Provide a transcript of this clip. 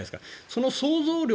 その想像力